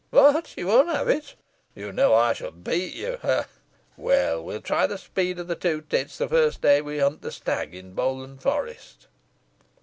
What, you won't have it? You know I shall beat you ha! ha! Well, we'll try the speed of the two tits the first day we hunt the stag in Bowland Forest.